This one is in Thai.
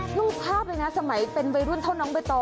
โอ้โหรูปภาพเลยนะสมัยเป็นวัยรุ่นเท่านั้นไปต่อ